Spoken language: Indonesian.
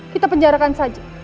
kita penjarakan saja